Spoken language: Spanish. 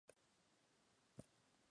Repita con nosotros el siguiente ejercicio